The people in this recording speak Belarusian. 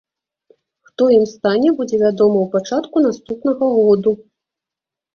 Хто ім стане будзе вядома ў пачатку наступнага году.